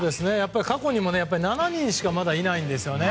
過去にも７人しかまだいないんですね。